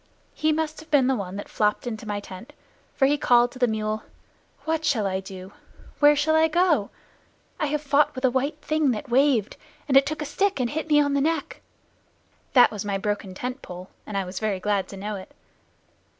He must have been the one that flopped into my tent, for he called to the mule, "What shall I do? Where shall I go? I have fought with a white thing that waved, and it took a stick and hit me on the neck." (That was my broken tent pole, and I was very glad to know it.)